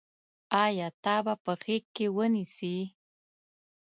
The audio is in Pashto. آیا تا به په غېږ کې ونیسي.